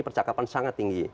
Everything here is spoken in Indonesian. kecakapan sangat tinggi